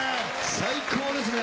最高ですね。